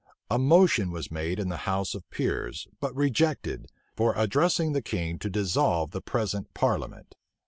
A motion was made in the house of peers, but rejected, for addressing the king to dissolve the present parliament.